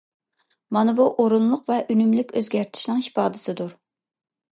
مانا بۇ ئورۇنلۇق ۋە ئۈنۈملۈك ئۆزگەرتىشنىڭ ئىپادىسىدۇر.